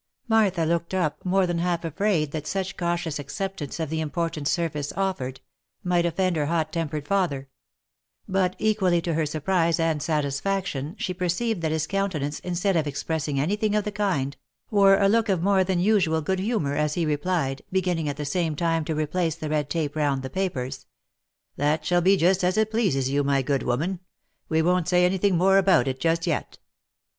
Martha looked up, more than half afraid that such cautious accep tance of the important service offered, might offend her hot tempered father ; but equally to her surprise and satisfaction she perceived that his countenance instead of expressing any thing of the kind, wore a look of more than usual good humour, as he replied, beginning at the same time to replace the red tape round the papers. " That shall be just as it pleases you, my good woman, we won't say any thing more about it, just yet."